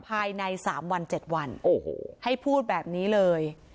ภายใน๓วัน๗วันโอ้โหให้พูดแบบนี้เลย